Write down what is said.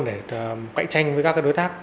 để cãi tranh với các đối tác